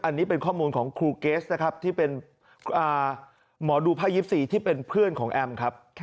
อันนี้เป็นข้อมูลของครูเกสนะครับที่เป็นหมอดูภาค๒๔ที่เป็นเพื่อนของแอมครับ